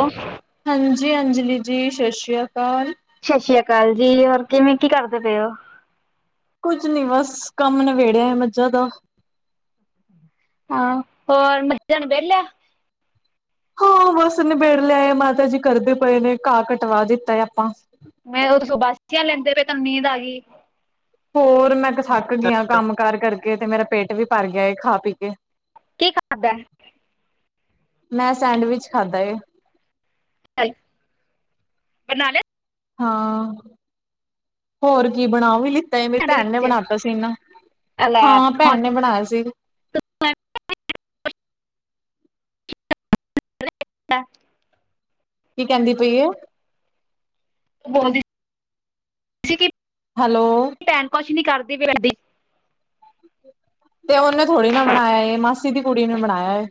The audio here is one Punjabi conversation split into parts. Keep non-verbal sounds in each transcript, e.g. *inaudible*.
ਓ। ਹਨਜੀ, ਅੰਜਲੀ ਜੀ, ਸਤਿ ਸ਼੍ਰੀ ਅਕਾਲ ਸਤਿ ਸ੍ਰੀ ਅਕਾਲ ਜੀ, ਹੋਰ ਕਿਵੇਂ ਕੀ ਕਰਦੇ ਪਏ ਓ ਕੁੱਝ ਨੀ ਬਸ, ਕੰਮ ਨਿਬੇੜਿਆ ਆ ਮੱਝਾਂ ਦਾ ਹਾਂ, ਹੋਰ ਮੱਜਾਂ ਨੂੰ ਵਿਹਲਿਆ ਹਾਂ, ਬਸ ਨੀਬੇੜ ਲਿਆਏ, ਮਾਤਾ ਜੀ ਕਰਦੇ ਪਏ ਨੇ ਘਾਹ ਕਟਵਾ ਦਿੱਤਾ ਆ ਆਪਾਂ ਮੈਂ, ਉਦੋਂ ਸੁ ਬਾਸੀਆਂ ਲੈਂਦੇ ਪਏ, ਤੁਹਾਨੂੰ ਨੀਂਦ ਆ ਗਈ ਹੋਰ, ਮੈਂ ਤੇ ਥੱਕ ਗਈ ਆਂ, ਕੰਮ ਕਰ ਕਰਕੇ ਤੇ ਮੇਰਾ ਪੇਟ ਵੀ ਭਰ ਗਿਆ ਏ, ਖਾ-ਪੀ ਕੇ ਕੀ ਖਾਣਾ ਪਿਆ ਮੈਂ ਸੈਂਡਵਿਚ ਖਾਧਾ ਏ ਬਨ ਲੇਆ ਹਾਂ, ਹੋਰ ਕੀ ਬਣਾ ਵੀ ਲੀ ਅਹਿ ਮਰੀ ਭੈਣ ਨੇ ਸੈਂਡਵਿਚ ਬਣਾਤਾ ਸੀ ਨਾ, ਲੈ ਹਾਂ ਹੁਣ ਭੈਣ ਨੇ ਤੂੰ ਬਣਾਇਆ ਸੀ। ਐਵੇਂ *inaudible* ਕੀ ਕਹਿੰਦੀ ਪਈਏ ਓ ਬੋਲ ਦੀ ਸਿਗੀ ਕੀ ਹੈਲੋ ਭੈਣ ਕੁਛ ਨੀ ਕਰਦੀ ਪਈ ਤੇ, ਉਨੇ ਥੋੜ੍ਹੀ ਨਾ ਬਣਾਇਆ ਏ, ਮਾਸੀ ਦੀ ਕੁੜੀ ਨੇ ਬਣਾਇਆ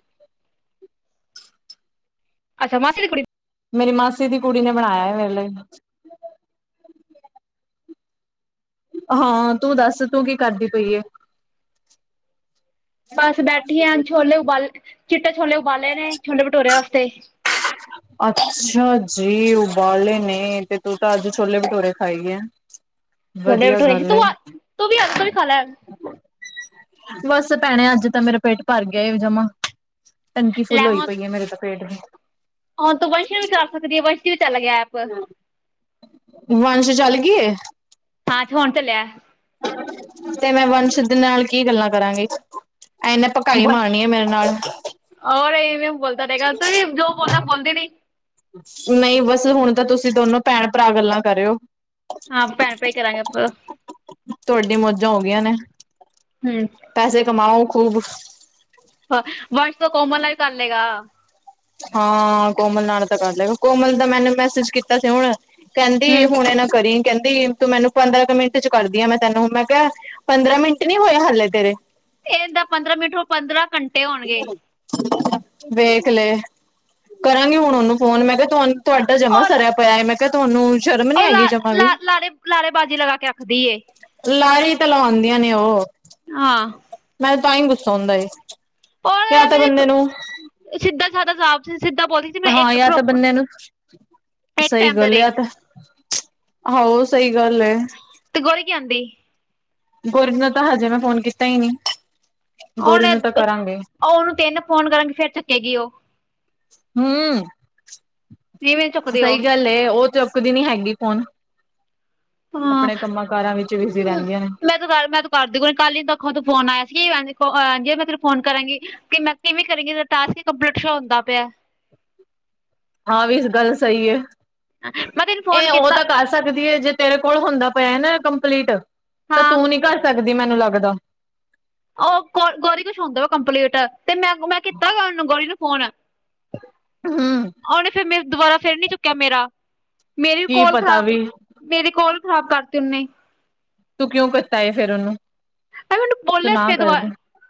ਅੱਛਾ, ਮਾਸੀ ਦੀ ਕੁੜੀ ਮੇਰੀ ਮਾਸੀ ਦੀ ਕੁੜੀ ਨੇ ਬਣਾਇਆ ਏ, ਮੇਰੇ ਲਈ ਹਾਂ ਤੂੰ ਦੱਸ ਤੂੰ ਕੀ ਕਰਦੀ ਪਈਏ ਬਸ ਬੈਠੀ ਆ ਛੋਲੇ ਉਬਾਲੇ ਚਿੱਟੇ ਛੋਲੇ, ਉਬਾਲੇ ਨੇ ਛੋਲੇ ਭਟੂਰਿਆ ਵਾਸਤੇ ਅੱਛਾ ਜੀ, ਉਬਾਲੇ ਨੇ ਤੇ ਤੂੰ ਤਾਂ ਅੱਜ ਛੋਲੇ ਭਟੂਰੇ ਖਾਏਗੀ ਹੈ ਛੋਲੇ ਭਟੂਰੇ ਤੂੰ-ਤੂੰ ਵੀ ਆ ਜਾ ਤੂੰ ਵੀ ਖਾ ਲਾ ਬਸ ਭੈਣੇ, ਅੱਜ ਤਾਂ ਮੇਰਾ ਪੇਟ ਭਰ ਗਿਆ ਏ ਜਮਾ ਟੰਕੀ ਫੁੱਲ ਲੈ ਹੋਈ ਹੁਣ ਪਈ ਏ, ਮੇਰੇ ਤਾਂ ਪੇਟ ਦੀ ਹੁਣ ਤੂੰ ਵੰਸ਼ੀਆਂ ਵੀ ਕਰ ਸਕਦੀ ਆ, ਵੰਸ਼ੀ ਵੀ ਚੱਲ ਗਿਆ ਆਪ ਵੰਸ਼ ਚੱਲ ਗੀ ਏ ਹਾਂ ਤੇ ਫਣ ਤੇ ਲਿਆ। ਤੇ ਮੈਂ ਵੰਸ਼ਿੱਧ ਨਾਲ ਕੀ ਗੱਲਾਂ ਕਰਾਂਗੀ। ਆ ਏਨੇ ਪਕਾਈ ਮਾਰਨੀ ਆ ਮੇਰੇ ਨਾਲ ਹੋਔਰ ਏ ਵੀ ਬੋਲਦਾ ਰੈਗਾ ਤੂੰ ਵੀ ਜੋ ਬੋਲਨਾ ਬੋਲਦੀ ਰਈ ਨਈ ਬਸ ਹੁਣ ਤਾਂ ਤੁਸੀਂ ਦੋਨੋ ਭੈਣ ਭਰਾ ਗੱਲਾਂ ਕਰਿਓ ਹਾਂ ਭੈਣ-ਪਾਈ, ਕਰਾਂਗੇ ਆਪ ਤੁਹਾਡੀ ਮੌਜਾਂ ਹੋ ਗਈਆਂ ਨੇ ਹੂੰ ਪੈਸੇ ਕਮਾਓ ਖੂਬ ਹਾਂ ਵੰਸ਼ ਤੋਂ ਕੋਮਲ ਨਾਲ ਹੀ ਕਰ ਲਏਗਾ ਹਾਂ ਕੋਮਲ ਨਾਲ ਤਾਂ ਕਰ ਲੈਗਾ, ਕੋਮਲ ਦਾ ਮੈਨੇ ਮੈਸੇਜ ਕੀਤਾ ਸੀ ਹੁਣ ਕਹਿੰਦੀ ਹੂੰ ਹੁਣੇ ਨਾਂ ਕਰੀ ਕਹਿੰਦੀ ਤੂੰ ਮੈਨੂੰ ਪੰਦਰਾਂ ਕੁ ਮਿੰਟ 'ਚ ਕਰਦੀ ਆ, ਮੈਂ ਤੈਨੂੰ ਮੈਂ ਕਿਹਾ ਪੰਦਰਾਂ ਮਿੰਟ ਨੀ ਹੋਇਆ ਹਾਲੇ ਤੇਰੇ ਏ ਤਾਂ ਪੰਦਰਾਂ ਮਿੰਟ ਨੂੰ, ਪੰਦਰਾਂ ਘੰਟੇ ਹੋਣਗੇ ਵੇਖ ਲੈ ਕਰਾਂਗੀ ਹੁਣ ਉਨੂੰ ਫੋਨ ਮੈਂ ਕਿਹਾ ਤੁਹਾਨੂੰ ਤੁਹਾਡਾ ਜਮਾ ਉਹ ਸਰਿਆ ਪਿਆ ਏ, ਮੈਂ ਕਿਹਾ ਤੁਹਾਨੂੰ ਸ਼ਰਮ ਨੀ ਹੈਗੀ ਜਮਾ ਵੀ ਨਾਲ਼ੇ ਲਾਰੇ ਬਾਜੀ ਲਗਾ ਕੇ ਰੱਖਦੀ ਏ ਲਰੀ ਤਾਂ ਲਵਾਉਂਦੀਆਂ ਨੇ ਓ ਹਾਂ ਮੈਂ ਤਾਂ ਹੀ ਗੁੱਸਾ ਆਉਂਦਾ ਏ, ਜਾਂ ਤੇ ਬੰਦੇ ਨੂੰ ਏ ਸਿੱਧਾ ਸਿੱਧਾ ਹਿਸਾਬ ਸੀ ਸਿੱਧਾ ਬੋਲੀ ਹਾਂ ਯ ਤਾਂ ਬੰਦਿਆਂ ਨੂੰ, ਇੱਕ ਸਈ ਟਾਈਮ ਦੇ ਗੱਲ ਦੇ ਯ ਤਾਂ ਹੋਰ ਸਈ ਗੱਲ ਏ। ਤੇ ਗੋਰੀ ਕੀ ਆਂਦੀ ਗੁਰੀ ਨੂੰ ਤਾਂ ਹਜੇ, ਮੈਂ ਫੋਨ ਕੀਤਾ ਹੀ ਨੀ। ਗੋਰੀ ਉਨੇ ਨੂੰ ਤਾਂ ਕਰਾਂਗੇ ਉਨੂੰ ਤਿੰਨ ਫੋਨ ਕਰਨਗੇ ਫੇਰ ਚੱਕਗੀ ਓ ਹੂੰ, ਨਹੀਂ ਮੈਨੂੰ ਚੁੱਕਦੇ ਉਹ ਸਈ ਗੱਲ ਏ ਓ ਤੇ ਚੁੱਕਦੀ ਨੀ ਹੈਗੀ ਫੋਨ। ਹਾਂ ਆਪਣੇ ਕੰਮਾਂ ਕਾਰਾਂ ਵਿੱਚ ਬਿਜ਼ੀ ਰਹਿੰਦੀਆਂ ਨੇ ਮ ਤੂੰ ਕਰ ਦੀ ਕੱਲ ਨ ਦਖੋਂ ਤੂੰ ਫੋਨ ਆਇਆ ਸੀ, ਮੈਂ ਤੇਰੀ ਫੋਨ ਕਰਾਂਗੀ। ਕਿ ਮੈਂ ਕਿਵੇਂ ਕਰੇਗੀ ਟਾਸਕ ਹੀ, ਕੰਪਲੀਟ ਸੋਅ ਹੁੰਦਾ ਪਿਆ। ਹਾਂ ਵੀ ਗੱਲ ਸਈ ਆ, ਮੈਂ ਤੈਨੂੰ ਫੋਨ ਏ ਓ ਕੀਤਾ ਤਾਂ ਘਰ ਕਰ ਸਕਦੀ ਏ ਜੇ ਤੇਰੇ ਕੋਲ ਹੁੰਦਾ ਪਿਆ ਨਾ ਕੰਪਲੀਟ ਤਾਂ ਹਾਂ ਤੂੰ ਨੀ ਕਰ ਸਕਦੀ ਮੈਨੂੰ ਲੱਗਦਾ ਓ ਗ ਗੋਰੀ ਕੁਛ ਹੁੰਦਾ ਵਾ ਕੰਪਲੀਟ ਤੇ, ਮੈਂ-ਮੈਂ ਕੀਤਾ ਗੌਰੀ ਨੂੰ ਫੋਨ। ਹੂੰ ਉਨੇ ਫੇਰ ਮੈਂ ਦੁਬਾਰਾ ਫੇਰ ਨੀ ਚੁੱਕਿਆ ਮੇਰਿਆ। ਮੇਰੀ ਵੀ ਕੀ ਕੋਲ ਪਤਾ ਖ਼ਰਾਬ ਵੀ ਮੇਰੇ ਕੋਲ ਵੀ ਖ਼ਰਾਬ ਕਰਤੀ, ਉਨੇ। ਤੂੰ ਕਿਉਂ ਕੀਤਾ ਏ ਫੇਰ ਉਨੂੰ। ਐ ਮੈਨੂੰ ਬੋਲਿਆ ਸੀ ਫਿਰ ਦੁ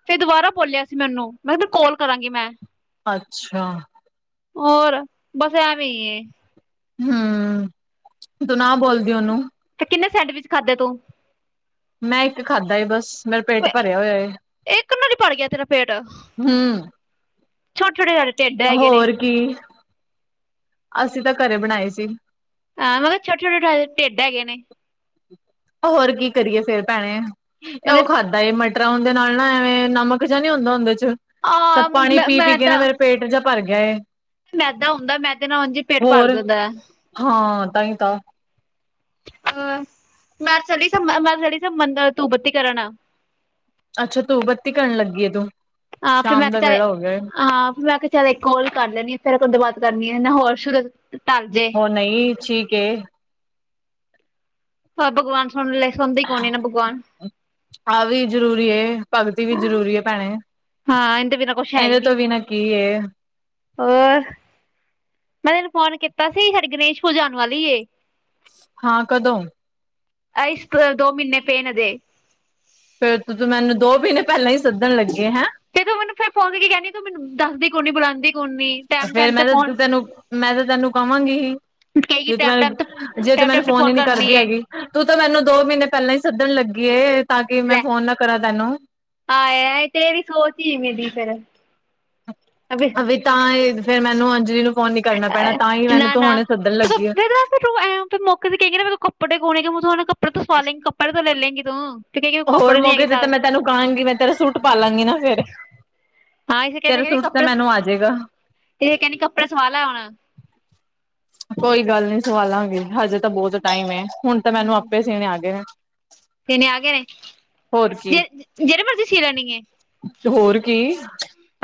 ਫਿਰ ਦੁਬਾਰਾ ਬੋਲਿਆ ਸੀ ਮੈਨੂੰ ਮੈਂ ਕਿਹਾ ਕੌਲ ਕਰਾਂਗੀ ਮੈਂ। ਅੱਛਾ। ਹੋਰ ਬਸ ਐਵੀ ਏ ਹੂੰ ਤੂੰ ਨਾ ਬੋਲਦੀ ਉਨੂੰ। ਤੇ ਕਿੰਨੇ ਸੈਂਡਵਿਚ ਖਾਧੇ ਤੂੰ। ਮੈਂ ਇੱਕ ਖਾਧਾ ਏ ਬਸ। ਮੇਰਾ ਪੇਟ ਭਰਿਆ ਹੋਇਆ ਏ ਇੱਕ ਨਾਲ ਹੀ ਭਰ ਗਿਆ ਤੇਰਾ ਹੂੰ। ਛੋਟੇ ਛੋਟੇ ਹਜੇ। ਹੋਰ ਕੀ ਅਸੀਂ ਤਾਂ ਘਰੇ ਬਣਾਏ ਸੀ। ਹਾਂ! ਮਖਾਂ ਛੋਟੇ-ਛੋਟੇ ਤਾਂ ਹਜੇ ਢਿੱਡ ਹੈਗੇ ਨੇ। ਹੋਰ ਕੀ ਕਰੀਏ ਫੇਰ ਭੈਣੇ ਏ ਓ। ਮਗਰ ਖਾਂਦਾ ਏ ਮਟਰਾਂ ਉਦੇ ਨਾਲ ਨਾ ਐਵੇਂ ਨਮਕ ਜਿਹਾ ਨੀ ਹੁੰਦਾ ਉਦੇ 'ਚ। ਤਾਂ ਆ ਪਾਣੀ ਪੀ-ਪੀ ਕੇ ਨਾ ਮੈਦਾ ਮੇਰਾ ਪੇਟ ਜਿਹਾ ਭਰ ਗਿਆ ਏ। ਮੈਦਾ ਹੁੰਦਾ ਮੈਦੇ ਨਾਲ ਉਂਝ ਹੀ ਪੇਟ ਭਰ ਹੋਰ ਜਾਂਦਾ ਆ। ਹਾਂ! ਤਾਂ ਹੀ ਤਾਂ। ਅਹ ਮੈਂ ਚਲੀ ਜਾ ਮੈਂ ਚਲੀ ਜਾ ਮੰਦਰ ਤੂੰ ਬੱਤੀ ਕਰਨ। ਅੱਛਾ! ਧੂਫ ਬੱਤੀ ਕਰਨ ਲੱਗੀ ਹੈ ਤੂੰ। ਹਾਂ! ਫਿਰ ਮੈਂ ਸ਼ਾਮ ਦਾ ਕਿਹ ਵੇਲਾ ਹੋ ਗਿਆ ਏ। ਮੈਂ ਕਿਹਾ। ਚੱਲ ਇੱਕ ਕੋਲ ਕਰ ਲੈਣੀ ਆਂ, ਫਿਰ ਗਦਬਾਦ ਕਰਨੀ ਆ ਨਾ ਹੋਰ ਸ਼ੁਰੂ ਟਲ ਜੇ। ਹੋਰ ਨਹੀਂ ਠੀਕ ਏ। ਹਾਏ! ਭਗਵਾਨ ਸੁਣ ਲੇ ਸੁਣਦੀ ਕੋਈ ਨੀ ਭਗਵਾਨ। ਆਹ ਵੀ ਜ਼ਰੂਰੀ ਏ। ਭਗਤੀ ਵੀ ਜ਼ਰੂਰੀ ਏ ਭੈਣੇ, ਹਾਂ ਇਹਦੇ ਬਿਨਾਂ ਕੁਛ ਇਹਦੇ ਤੋਂ ਬਿਨਾਂ ਕੀ ਏ। ਔਰ। ਮੈਂ ਤੈਨੂੰ ਫੋਨ ਕੀਤਾ ਸੀ, ਸਾਡੀ ਗਣੇਸ਼ ਪੂਜਾ ਹੋਣ ਵਾਲੀ ਏ। ਹਾਂ ਕਦੋਂ। ਆਈਸ ਦੋ ਮਹੀਨੇ ਪਏ ਨੇ ਹਜੇ। ਫਿਰ ਤਾਂ ਤੂੰ ਮੈਨੂੰ ਦੋ ਮਹੀਨੇ ਪਹਿਲਾਂ ਹੀ ਸੱਦਣ ਲੱਗੇ ਹੈਂ। ਤੇ ਤੂੰ ਮੈਨੂੰ ਫੇਰ ਫ਼ੋਨ ਕਰਕੇ ਕਹਿੰਦੀ ਤੂੰ ਮੈਨੂੰ ਦੱਸਦੀ ਕੋਈ ਨੀ ਬੁਲਾਉਦੀ। ਕੌਣੀ ਟੈ ਫਿਰ ਮੈਂ ਤਾਂ ਤੈਨੂੰ ਮੈਂ ਤਾਂ ਤੈਨੂੰ ਕਵਾਂਗੀ ਹੀ। ਕਹੇਗੀ ਜੇ ਤੂੰ ਮੈ, ਟੈਮ ਟੈਮ ਤੇ ਜੇ ਤੂੰ ਟੈਮ ਮੈਨੂੰ ਟੈਮ ਤੇ ਫ਼ੋਨ ਫੋਨ ਹੀ ਨੀ ਕਰਨੀ ਕਰਦੀ ਏ ਹੈਗੀ। ਤੂੰ ਤਾਂ ਮੈਨੂੰ ਦੋ ਮਹੀਨੇ ਪਹਿਲੇ ਹੀ ਸੱਦਣ ਲੱਗੀ ਏ, ਤਾਂ ਕਿ ਮੈਂ ਲੈ ਫੋਨ ਨਾ ਕਰਾਂ ਤੈਨੂੰ। ਆਏ ਹਾਏ ਤੇਰੀ ਸੋਚ ਹੀ ਐਵੀਂ ਦੀ ਫੇਰ। ਵੀ ਤਾਂ ਹੀ ਫਿਰ ਮੈਨੂੰ ਅੰਜਲੀ ਨੂੰ ਫ਼ੋਨ ਨੀ ਕਰਨਾ ਪੈਣਾ ਤਾਂ ਹੀ ਮੈਨੂੰ ਤੂੰ ਹੁਣੇ ਸੱਦਣ ਲੱਗੀ ਆ। ਤੂੰ ਐਂ ਫਿਰ ਮੌਕੇ ਤੇ ਕਹਿਗੀ ਨਾ ਮੈਨੂੰ ਕੱਪੜੇ ਕੌਣ ਨੀ ਕੱਪੜੇ ਸਵਾ ਲੈਂਗੀ ਕੱਪੜੇ ਤੋਂ ਲੈ ਲੈਂਗੀ ਤੂੰ। ਹੋਰ ਮੌਕੇ ਤੇ ਤਾਂ ਮੈਂ ਤੈਨੂੰ ਕਹਾਂਗੀ ਮੈਂ ਤੇਰਾ ਸੂਟ ਪਾ ਲਾਂਗੀ ਨਾ ਫਿਰ। ਹਾਂ! ਇਸੇ ਕਰਕੇ ਕਹਿੰਦੇ ਕੱਪੜੇ, ਆ ਜਾਏਗਾ ਕਹਿੰਦੀ ਕੱਪੜਾ ਸਵਾਲਾ ਹੁਣ। ਕੋਈ ਗੱਲ ਨੀ ਸਵਾਲਾਂਗੇ, ਹਜੇ। ਤਾਂ ਬਹੁਤ ਟਾਈਮ ਹੈ, ਹੁਣ ਤਾਂ ਮੈਨੂੰ ਆਪੇ ਸੀਣੇ ਆ ਗਏ। ਆਪਣੇ ਆ ਗਏ ਨੇ, ਹੋਰ ਕੀ ਜੇ ਜਿਹੜੇ ਮਰਜ਼ੀ ਸੀ ਲੈਣੀ ਐ।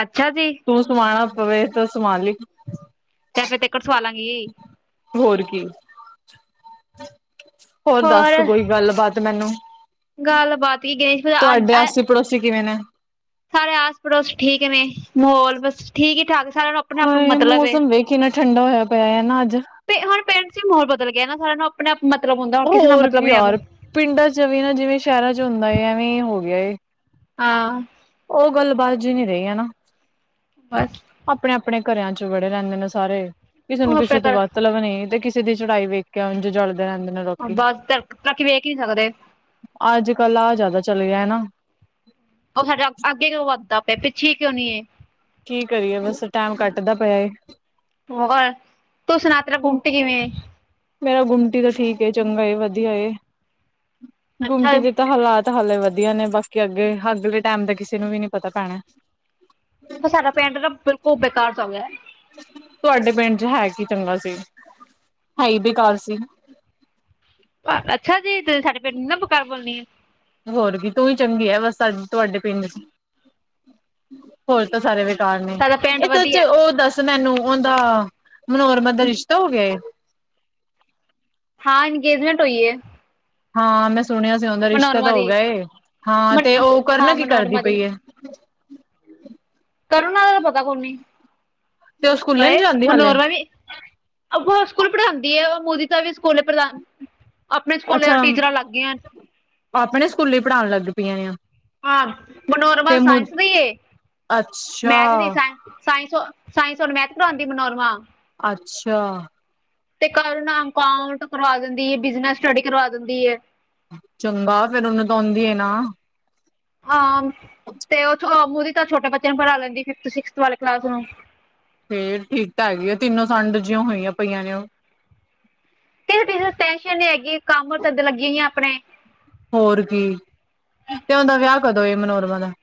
ਅੱਛਾ ਜੀ! ਸੂਟ ਸਮਾਣਾ ਪਵੇ ਤਾਂ ਸਮਾਲੀ। ਕੈਫੇ ਤੇ। ਫਿਰ ਸਵਾ ਲਾਂਗੀ। ਹੋਰ ਕੀ, ਔਰ ਦੱਸ ਹੋਰ ਕੋਈ। ਗੱਲਬਾਤ ਮੈਨੂੰ, ਗੱਲਬਾਤ ਕੀ ਗਣੇਸ਼ ਪੂਜਾ ਅੱਜ ਤਾਡੇ ਆਸੇ ਪੜੋਸੀ ਕਿਵੇਂ ਨੇ। ਸਾਰੇ ਆਸ ਪੜੋਸ ਠੀਕ ਨੇ, ਮਾਹੌਲ ਬਸ ਠੀਕ ਹੀ ਠਾਕ ਸਾਰਾ ਨੂੰ। ਆਪਣਾ ਆਪਣਾ ਹਾਏ! ਮਤਲਬ ਏ ਮੌਸਮ ਵੇਖ ਕਿੰਨਾ ਠੰਡਾ ਹੋਇਆ ਪਿਆ ਹੈ ਨਾ ਅੱਜ। ਹਣ ਪੇਰੈਂਟਸ ਹੀ ਮਾਹੌਲ ਬਦਲ ਗਿਆ ਨਾ ਸਾਰਿਆਂ ਨੂੰ ਆਪਣੇ ਮਤਲਬ ਹੁੰਦਾ ਹੁਣ ਕਿਸੇ ਨਾਲ ਹੋਰ ਮਤਲਬ ਕੀ ਨਹੀਂ ਆਦਾ। ਯਾਰ ਪਿੰਡਾਂ ਚਵੇਂ ਨਾ ਜਿਵੇਂ ਸ਼ਹਿਰਾਂ 'ਚ ਹੁੰਦਾ ਐਵੇਂ ਹੋ ਗਿਆ ਏ ਆਂ ਓ ਗੱਲ- ਬਾਤ ਜੀ ਨਹੀਂ ਰਹੀ ਹਨਾ। ਬਸ। ਆਪਣੇ- ਆਪਣੇ ਘਰਿਆਂ 'ਚ ਵੜੇ ਰਹਿੰਦੇ ਨੇ ਸਾਰੇ, ਕਿਸੇ ਉਹ ਨੂੰ ਕਿਸੇ ਆਪਣੇ ਤੋਂ ਘਰ ਵੱਧ ਮਤਲਬ ਨਹੀਂ ਤੇ ਕਿਸੇ ਦੀ ਚੜਾਈ ਵੇਖ ਕੇ ਐਵੇਂ ਜਲਦੇ ਰਹਿੰਦੇ। ਨੇ ਲੋਕੀ ਬਸ ਤੱਕ, ਤੱਕੀ ਵੇਖ ਨੀ ਸਕਦੇ। ਅੱਜ- ਕੱਲ, ਆਹ ਜਿਆਦਾ ਚੱਲ ਗਿਆ ਹੈ ਨਾ। ਉਹ ਸਾਡਾ ਅੱਗੇ ਕਿਉਂ ਵੱਧਦਾ ਪਿਆ ਪਿੱਛੇ ਕਿਉਂ ਨਹੀ ਹੈ। ਕੀ ਕਰੀਏ ਬਸ ਟੈਮ ਕੱਟਦਾ ਪਿਆ ਏ ਹੋਰ, ਤੂੰ ਸੁਣਾ ਤੇਰਾ ਘੁੰਮਟੀ ਕਿਵੇਂ। ਮੇਰਾ ਗੁੰਮਟੀ ਤਾਂ ਠੀਕ ਏ ਚੰਗਾ ਵਦੀਆ ਏ, ਗੁੰਮਟੀ ਅੱਛਾ ਦੇ ਤਾਂ ਹਾਲਾਤ ਤਾਂ ਹਾਲੇ ਵਦੀਆ ਨੇ ਬਾਕੀ ਅੱਗੇ ਅਗਲੇ ਟੈਮ ਦਾ ਕਿਸੇ ਨੂੰ ਵੀ ਨੀ ਪਤਾ ਭੈਨੇ। ਸਾਡਾ ਪਿੰਡ ਨਾ ਬਿਲਕੁਲ ਬੇਕਾਰ ਚ ਔਂਦਾ। ਤੁਆਡੇ ਪਿੰਡ ਚ ਹੈ ਕੀ ਚੰਗਾ ਸੀ, ਹੈਈ ਬੇਕਾਰ ਸੀ। ਅੱਛਾ ਜੀ ਤੁਸੀਂ ਸਾਡੇ ਪਿੰਡ ਨੂੰ ਨਾ ਬੁਕਾਰ ਬੋਲਨੀ ਐ। ਹੋਰ ਵੀ ਤੂੰਈ ਚੰਗੀ ਐ ਬਸ ਸਾਡੇ ਤੁਆਡੇ ਪਿੰਡ ਚ। ਹੋਰ ਤਾਂ ਸਾਰੇ ਬੇਕਾਰ ਨੇ ਸਾਡਾ ਪਿੰਡ ਏ ਸੱਚ ਵਧੀਆ ਓ ਦੱਸ ਦੱਸ ਮੈਨੂੰ ਓਦਾ ਮਨੋਹਰਮਨ ਦਾ ਰਿਸ਼ਤਾ ਹੋ ਗੇਆ ਏ। ਹਾਂ ਇੰਨਗੇਜਮੈਂਟ ਹੋਈ ਏ। ਹਾਂ ਮੈਂ ਸੁਨੇਆ ਸੀ ਓਦਾ ਰਿਸ਼ਤਾ ਮਨੋਰਮਾ ਤਾਂ ਹੋ ਦੀ ਗੇਆ ਏ, ਹਾਂ ਮਨ ਤੇ ਓ ਕਰਨਾ ਕੀ ਕਰਦੀ ਪਈ ਏ। ਕਰਨ ਆਲਿਆਂ ਦਾ ਪਤਾ ਕੋਨੀ। ਤੇ ਉਹ ਸਕੂਲੇ ਪਏ ਨੀ ਜਾਂਦੀ ਹਾਲੇ ਮਨੋਰਮਾ ਵੀ ਅ ਸਕੂਲ ਪੜਾਂਦੀ ਐ ਮੋਦੀ ਤਾਂ ਵੀ ਸਕੂਲੇ ਪ੍ਰਧਾਨ, ਆਪਨੇ ਸਕੂਲੇ ਟੀਚਰਾਂ ਲਾਗੀਆਂ ਨੇ। ਆਪਨੇ ਸਕੂਲੇ ਈ ਪੜਾਨ ਲੱਗ ਗਈਆਂ ਆਂ। ਹਾਂ ਮਨੋਰਮਾ ਸਾਇੰਸ ਦੀ ਏ, ਅੱਛਾ ਮੈਥ ਦੀ ਸਾਇੰਸ ਸਾਇੰਸ-ਸਾਇੰਸ ਔਰ ਮੈਥ ਪੜਾਂਦੀ ਮਨੋਰਮਾ। ਅੱਛਾ। ਤੇ ਕਲ ਨਾਮ ਅਕਾਊਂਟ ਕਰਵਾ ਦਿੰਦੀ ਐ ਬਿਜਨਸ ਸਟੱਡੀ ਕਰਵਾ ਦਿੰਦੀ ਐ। ਚੰਗਾ ਫੇਰ ਓਨੂੰ ਤਾਂ ਔਂਦੀ ਐ ਨਾ। ਹਾਂ ਤੇ ਓ ਮੂਦੀ ਤਾਂ ਛੋਟੇ ਬੱਚੇਆਂ ਨੂੰ ਪੜਾ ਲੈਂਦੀ ਫਿਫਥ ਸਿਕਸ ਵਾਲੇ ਕਲਾਸ ਨੂੰ। ਫੇਰ ਠੀਕ ਤਾਂ ਹੈਗੀ ਆ ਤਿੰਨੋ ਸੰਡ ਜੀਆਂ ਹੋਈਆਂ ਪਈਆਂ ਨੇ ਓ। ਕਿਸੇ-ਕਿਸੇ ਟੈਨਸ਼ਨ ਨੀ ਹੈਗੀ ਕੰਮ ਧੰਦੇ ਲੱਗੀ ਹੋਈਆਂ ਆਪਨੇ। ਹੋਰ ਕੀ ਤੇ ਓਦਾ ਵਿਆਅ ਕਦੋਂ ਏ ਮਨੋਰਮਾ ਦਾ।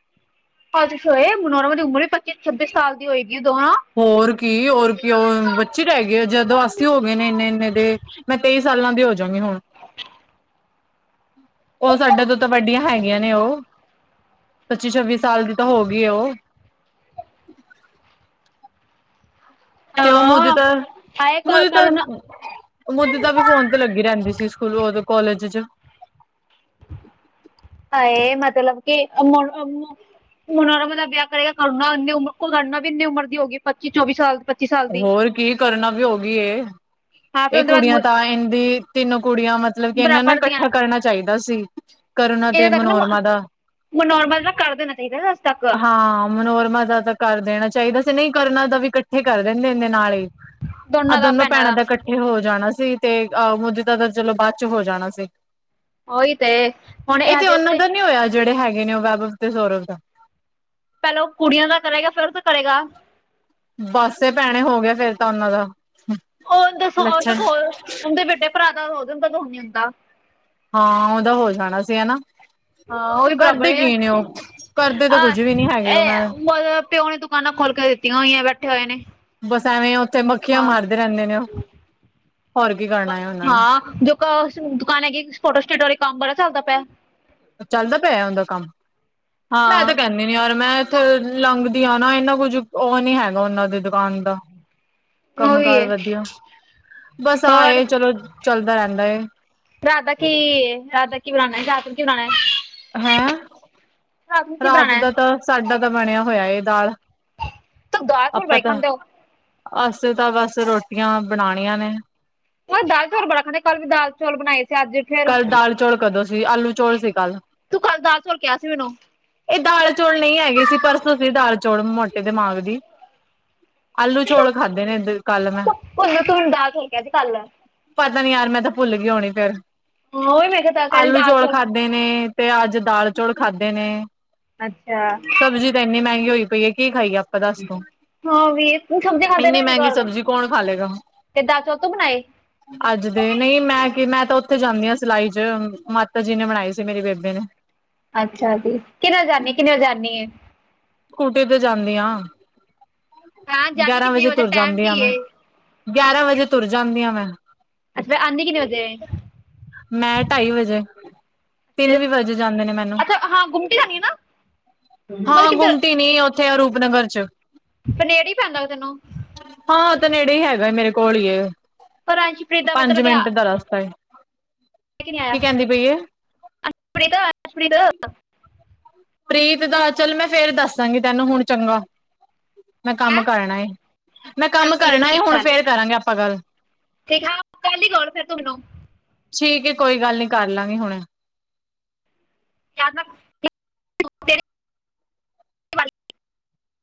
ਆਜਸ਼ ਹੋਏ ਮਨੋਰਮਾ ਦੀ ਉਮਰ ਵੀ ਪੱਚੀ ਛੱਬੀ ਸਾਲ ਦੀ ਹੋਏਗੀ ਦੋਹਾਂ। ਹੋਰ ਕੀ ਹੋਰ ਕੀ ਓ ਬੱਚੀ ਰੈ ਗਈ ਜਦੋਂ ਅਸੀਂ ਹੋ ਗਏ ਨੇ ਇੰਨੇ-ਇੰਨੇ ਦੇ। ਮੈਂ ਤੇਈ ਸਾਲਾਂ ਦੀ ਹੋਜਾਂਗੀ ਹੁਨ। ਓ ਸਾਡੇ ਤੋਂ ਤਾਂ ਵੱਡੀਆਂ ਹੈਗੀਆਂ ਨੇ ਓ। ਪੱਚੀ ਛੱਬੀ ਸਾਲ ਦੀ ਤਾਂ ਹੋ ਗਈ ਓ। ਤੇ ਓ ਮੋਦੀ ਹਾਂ। ਤਾ ਹਾਏ ਕਰ ਮੋਦੀ ਤਾ ਕਰੁਣਾ ਮੋਦੀ ਦਾ ਵੀ ਫੋਨ ਤੇ ਲੱਗੀ ਰੈਂਦੀ ਸੀ ਸਕੂਲੋ ਓਦੋਂ ਕੋਲਜ ਚ। ਹਾਏ ਮਤਲਬ ਕੇ ਮੋ-ਮੋ ਹੁਨ ਮਨੋਰਮ ਦਾ ਵਿਆਅ ਕਰੇਗਾ ਕਰਨਾ ਏਨੀ ਉਮਰ ਕਰਨਾ ਵੀੰ ਨੀ ਏਨੀ ਉਮਰ ਦੀ ਹੋਗੀ ਪੱਚੀ ਚੌਵੀ ਸਾਲ ਪੱ ਹੋਰ ਕੀ ਕਰਨਾ ਵੀ ਹੋਗੀ ਏ। ਹਾਂ ਫਿਰ ਏ ਉਹਦੇ ਕੁੜੀਆਂ ਬਾਅਦ ਤਾਂ ਏਨਦੀ ਤਿੰਨੋ ਕੁੜੀਆਂ ਮਤਲਬ ਕੇ ਏਨਾਂ ਨੂੰ ਬਰਾਬਰ ਦੀਆਂ ਨੇ ਕੱਠਾ ਕਰਨਾ ਚਾਈਦਾ ਸੀ। ਕਰੁਨਾ ਤੇ ਇਹਨਾਂ ਤੱਕ ਨਾ ਮਨੋਰਮਾ ਦਾ, ਮਨੋਰਮਾ ਦਾ ਕਰ ਦੇਣਾ ਚਾਹੀਦਾ ਅੱਜ ਤੱਕ ਹਾਂ। ਮਨੋਰਮਾ ਦਾ ਤਾਂ ਕਰ ਦੇਨਾ ਚਾਈਦਾ ਸੀ ਨਈਂ ਕਰਨਾ ਤਾਂ ਵੀ ਕੱਠੇ ਕਰ ਦਿੰਦੇ ਇਨਦੇ ਨਾਲ ਈ। ਆਹ ਦੋਨਾਂ ਦਾ ਦੋਨੋ ਭੈਣਾਂ ਭੈਨਾਂ ਦਾ ਕੱ ਏ ਹੋ ਜਾਨਾ ਸੀ ਤੇ ਅਹ ਮੋਦੀ ਦਾ ਤਾ ਚਲੋ ਬਾਦ ਚ ਹੋ ਜਾਨਾ ਸੀ। ਓਈ ਤੇ, ਹੁਨੇ ਆਜੇ ਪਰੇ ਜੇੜੇ ਹੈਗੇ ਨੇ ਓ ਵੈਭਵ ਤੇ ਸੌਰਵ ਦਾ। ਪੈਲਾਂ ਓ ਕੁੜੀਆਂ ਦਾ ਕਰੇਗਾ ਫੇਰ ਓ ਤਾਂ ਕਰੇਗਾ। ਬੱਸ ਏ ਭੈਨੇ ਹੋ ਗੇਆ ਫੇਰ ਤਾਂ ਓਨਾਂ ਦਾ। ਹੋਰ ਦੱਸੋ ਓ ਤਾਂ ਲੱਛਣ ਓਦੇ ਵੱਡੇ ਭਰਾ ਦਾ ਓਦੋ ਤੋਂ ਨੀ ਹੁੰਦਾ। ਹਾਂ ਓਦਾ ਹੋ ਜਾਨਾ ਸੀ ਹਨਾ। ਹਾਂ ਉਹੀ ਬਰਾਬਰ ਕਰਦੇ ਕੀ ਨੇ ਉਹ ਕਰਦੇ ਤਾਂ ਆਹ ਕੁੱਝ ਵੀ ਨੀ ਹੈਗੇ ਏ ਉਹ ਮੈਂ ਪਿਓ ਨੇ ਤੇ ਦੁਕਾਨਾਂ ਖੋਲ ਕੇ ਦਿੱਤੀਆਂ ਹੋਈਆਂ ਬੈਠੇ ਹੋਏ ਨੇ। ਬਸ ਐਵੇਂ ਓਥੇ ਮੱਖੀਆਂ ਹਾਂ। ਮਾਰਦੇ ਰੈਦੇ ਨੇ ਉਹ ਹੋਰ ਕੀ ਕਰਨਾ ਉਨਾਂ ਨੇ। ਹਾਂ ਜੋ ਦੁਕਾਨ ਹੈਗੀ ਫੋਟੋ ਸਟੇਟ ਵਾਲੀ ਕੰਮ ਬੜਾ ਚਲਦਾ ਪਿਆ। ਚੱਲਦਾ ਪਿਆ ਉਦਾ ਕੰਮ, ਮੈਂ ਹਾਂ। ਤਾਂ ਕਹਿਣੀ ਨੀ ਯਾਰ ਮੈਂ ਇੱਥੇ ਲੰਘਦੀ ਆਂ ਨਾ ਇੰਨਾ ਕੁੱਝ ਓ ਨੀ ਹੈਗਾ ਉਨਾਂ ਦੀ ਦੁਕਾਨ ਦਾ ਉਹੀ ਕੰਮ-ਕਾਰ ਹੈ ਵਧੀਆ ਬਸ ਆਹ ਹੋਰ ਏ ਚਲੋ ਚੱਲਦਾ ਰੈਦਾ ਏ। ਰਾਤ ਦਾ ਕੀ ਰਾਤ ਦਾ ਕੀ ਬਣਾਣਾ ਰਾਤ ਨੂੰ ਕੀ ਬਣਾਣਾ? ਹੈਂ? ਨੂੰ ਕੀ ਰਾਤ ਹੈ ਦਾ ਤਾਂ ਸਾਡਾ ਤਾਂ ਬਣਿਆ ਹੋਇਆ ਏ ਦਾਲ, ਤੂੰ ਦਾਲ ਚੌਲ ਆਪਾਂ ਬੜੇ ਤਾਂ ਖਾਂਦੇ ਹੋ। ਅਸੀਂ ਤਾਂ ਬਸ ਰੋਟੀਆਂ ਬਣਾਣੀਆਂ ਨੇ। ਓ ਦਾਲ ਚੌਲ ਬੜਾ ਖਾਂਦੇ ਕੱਲ ਵੀ ਦਾਲ ਚੌਲ ਬਣਾਏ ਸੀ ਅੱਜ ਫਿਰ ਕੱਲ ਦਾਲ ਚੌਲ ਕਦੋਂ ਸੀ ਆਲੂ ਚੌਲ ਸੀ ਕੱਲ। ਤੂੰ ਕੱਲ ਦਾਲ ਚੌਲ ਕੇਆ ਸੀ ਮੈਨੂੰ। ਏ ਦਾਲ ਚੌਲ ਨਈ ਹੈਗੇ ਸੀ ਪਰਸੋਂ ਸੀ ਦਾਲ ਚੌਲ ਮੋਟੇ ਦਿਮਾਗ ਦੀ। ਆਲੂ ਚੋਲ ਖਾਧੇ ਨੇ ਕੱਲ ਮੈਂ। ਉਹਨੂੰ ਤੂੰ ਮੈਨੂੰ ਦਾਲ ਚੌਲ ਕਿਹਾ ਸੀ ਕੱਲ ਹਾਂ ਪਤਾ ਨੀ ਯਾਰ ਮੈਂ ਤਾਂ ਭੁੱਲ ਗਈ ਹੋਣੀ ਫੇਰ, ਉਹੀ ਮੈਂ ਕਿਹਾ ਕਹਿ ਰਹੀ ਆਲੂ ਦਾਲ ਚੌਲ ਖਾਧੇ ਨੇ ਤੇ ਅੱਜ ਦਾਲ ਚੌਲ ਖਾਧੇ ਨੇ। ਅੱਛਾ। ਸਬਜ਼ੀ ਤਾਂ ਇੰਨੀ ਮਹਿੰਗੀ ਹੋਈ ਪਈ ਆ ਕੀ ਖਾਈਏ ਆਪਾਂ ਦੱਸੋ ਤੂੰ? ਹਾਂ ਵੀਰ, ਨਈ ਸਬਜ਼ੀ ਤੇ ਦਿਲ ਇੰਨੀ ਨੀ ਮਹਿੰਗੀ ਕਰਦਾ ਸਬਜ਼ੀ ਕੌਣ ਖਾ ਲਏਗਾ ਤੇ ਦਾਲ ਚੌਲ ਤੂੰ ਬਣਾਏ? ਅੱਜ ਦੇ ਨਈ ਮੈਂ ਕੀ ਮੈਂ ਤਾਂ ਓਥੇ ਜਾਣੀ ਆ ਸਿਲਾਈ ਚ ਮਾ ਤਾਂ ਜਿਨੇ ਬਣਾਈ ਸੀ ਮੇਰੀ ਬੇਬੇ ਨੇ। ਅੱਛਾ ਜੀ। ਕਿੰਨੇ ਵੱਜੇ ਜਾਣੀ ਆ ਕਿੰਨੇ ਵੱਜੇ ਜਾਣੀ ਆ? ਸਕੂਟੀ ਤੇ ਜਾਂਦੀ ਹਾਂ ਹਾਂ ਜਾਨੀ ਗਿਆਰਾਂ ਕਿੰਨੇ ਵਜੇ ਤੁਰ ਟਾਈਮ ਜਾਂਦੀ ਕੀ ਆ ਹੈ ਮੈਂ। ਗਿਆਰਾਂ ਵਜੇ ਤੁਰ ਜਾਂਦੀ ਆ ਮੈਂ। ਅੱਛਾ ਫੇਰ ਆਂਦੀ ਕਿੰਨੇ ਵਜੇ? ਮੈਂ ਢਾਈ ਵਜੇ। ਤਿੰਨ ਵੀ ਵਜੇ ਜਾਂਦੇ ਨੇ ਮੈਨੂੰ ਅੱਛਾ ਹਾਂ ਗੁੰਮਟੀ ਜਾਣੀ ਆ ਨਾ। ਮਤਲਬ ਕਿੱਧਰ-‍- ਨਈ ਓਥੇ ਆ ਰੂਪਨਗਰ 'ਚ। ਫੇਰ ਨੇੜੀ ਪੈਂਦਾ ਓ ਤੈਨੂੰ? ਹਾਂ ਓ ਤਾਂ ਨੇੜੇ ਹੀ ਹੈਗਾ ਮੇਰੇ ਕੋਲ ਹੀ ਪਰ ਅੰਸ਼ਪ੍ਰੀਤ ਦਾ ਪਤਾ ਪੰਜ ਮਿੰਟ ਦਾ ਰਸਤਾ ਏ। ਲੈ ਕੇ ਨੀ ਆਇਆ ਕੀ ਕਹਿੰਦੀ ਪਈ ਏ ਅਸ਼ਪ੍ਰੀਤ ਅਸ਼ਪ੍ਰੀਤ ਪ੍ਰੀਤ ਦਾ ਚੱਲ ਮੈਂ ਫੇਰ ਦੱਸਾਂਗੀ ਤੈਨੂੰ ਹੁਣ ਚੰਗਾ। ਮੈਂ ਕੰਮ ਹੈਂ ਕਰਨਾ ਏ ਮੈਂ ਚੱਲ ਕੰਮ ਠੀਕ ਹੈ ਸਤਿ ਕਰਨਾ ਏ ਸ਼੍ਰੀ ਹੁਣ ਅਕਾਲ ਫੇਰ ਕਰਾਂਗੇ ਆਪਾਂ ਗੱਲ। ਠੀਕ ਆ ਕੱਲ ਹੀ ਫੇਰ ਤੂੰ ਮੈਨੂੰ। ਠੀਕ ਕੋਈ ਗੱਲ ਨੀ ਕਰ ਲਾਂਗੇ ਹੁਣ। ਕਦ?